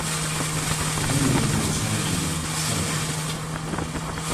Meriwether decided to leave Salomon.